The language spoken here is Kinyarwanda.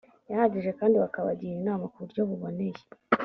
ihagije kandi bakabagira inama ku buryo buboneye